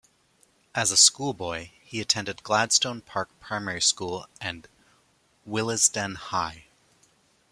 As a schoolboy he attended Gladstone Park Primary School and Willesden High.